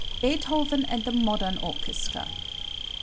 Beethoven and the Modern Orchestra.